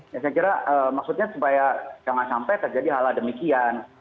saya kira maksudnya supaya jangan sampai terjadi hal demikian